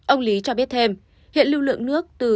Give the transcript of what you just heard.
ông lý cho biết thêm hiện lưu lượng nước từ